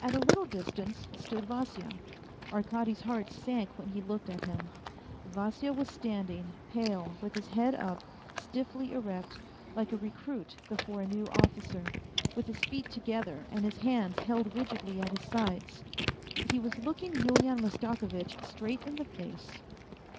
At a little distance stood Vasya. Arkady's heart sank when he looked at him. Vasya was standing, pale, with his head up, stiffly erect, like a recruit before a new officer, with his feet together and his hands held rigidly at his sides. He was looking Yulian Mastakovitch straight in the face.